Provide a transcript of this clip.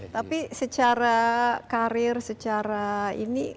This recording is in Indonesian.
tapi secara karir secara ini